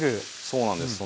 そうなんです。